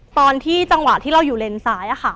ตอนที่จังหวัดที่เราอยู่เลนสายอะค่ะ